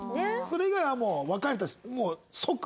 それ以外はもう別れたら即？